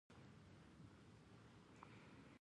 دوی د هر فرد برخلیک ټاکي.